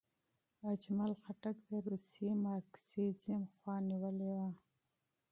اجمل خټک د روسي مارکسیزم خوا نیولې وه.